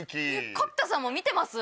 角田さんも見てます？